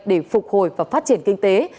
để phục hồi và phát triển kinh tế